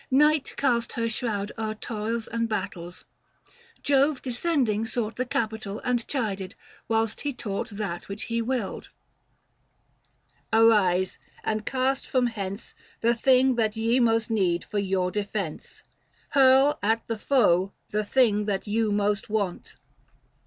Night cast her shroud O'er toils and battles. Jove descending sought The capitol, and chided, whilst he taught That which he willed :" arise, and cast from hence 455 The thing that ye most need for your defence ; Hurl at the foe the thing that you most want."